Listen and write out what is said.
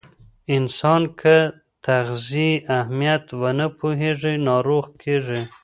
انسان که د تغذیې اهمیت ونه پوهیږي، ناروغ کیږي.